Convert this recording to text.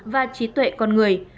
và trí tuệ con người